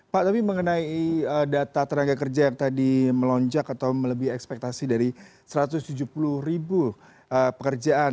pak tapi mengenai data tenaga kerja yang tadi melonjak atau melebih ekspektasi dari satu ratus tujuh puluh ribu pekerjaan